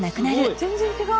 全然違う！